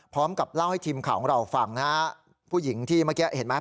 พร้อมกับเล่าให้ทีมข่าวของเราฟังนะฮะผู้หญิงที่เมื่อกี้เห็นไหม